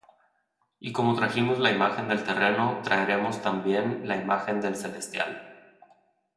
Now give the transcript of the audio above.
Y como trajimos la imagen del terreno, traeremos también la imagen del celestial.